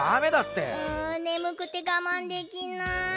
うんねむくてがまんできない。